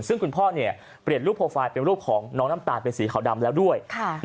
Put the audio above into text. ซึ่งคุณพ่อเปลี่ยนรูปโปรไฟล์เป็นรูปของน้องน้ำตาลเป็นสีขาวดำแล้วด้วย